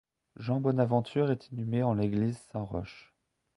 Jean Bonaventure est inhumé en l’église Saint-Roch.